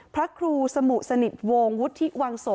พระครูสมุสนิทวงศ์วุฒิวังโส